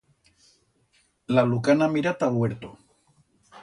La lucana mira ta'l huerto.